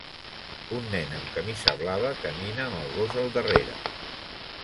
Un nen amb camisa blava camina amb el gos al darrere.